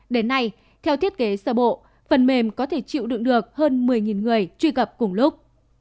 đến nay theo thiết kế sơ bộ phần mềm có thể chịu đựng được hơn một mươi người truy cập cùng lúc